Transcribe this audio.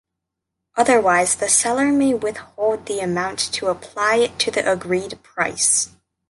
Otherwise, the seller may withhold the amount to apply it to the agreed price.